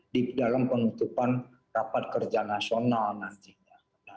di dalam penutupan rapat kerja nasional nantinya